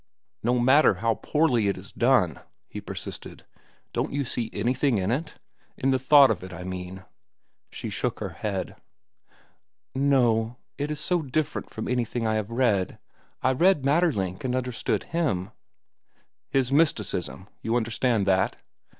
"No matter how poorly it is done," he persisted, "don't you see anything in it?—in the thought of it, I mean?" She shook her head. "No, it is so different from anything I have read. I read Maeterlinck and understand him—" "His mysticism, you understand that?"